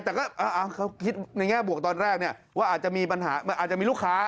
แต่ก็เขาคิดในแง่บวกตอนแรกเนี่ยว่าอาจจะมีปัญหาอาจจะมีลูกค้า